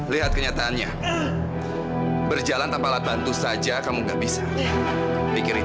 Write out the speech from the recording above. lihat kenyataannya berjalan tanpa alat bantu saja kamu nggak bisa pikirin